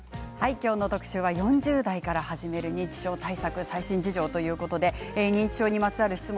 今日の特集は４０代から始める認知症対策最新事情ということで認知症にまつわる質問